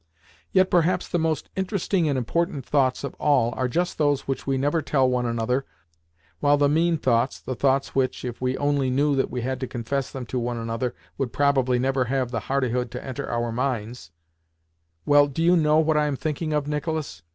"Yet perhaps the most interesting and important thoughts of all are just those which we never tell one another, while the mean thoughts (the thoughts which, if we only knew that we had to confess them to one another, would probably never have the hardihood to enter our minds)—Well, do you know what I am thinking of, Nicolas?"